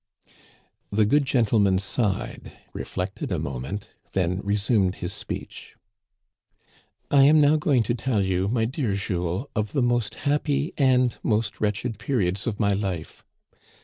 The good gentleman sighed, reflected a moment, then resumed his speech :I am now going to tell you, my dear Jules, of the most happy and most wretched periods of my life.